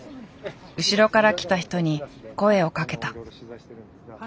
後ろから来た人に声をかけた。